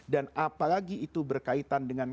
dan apalagi itu berkaitan dengan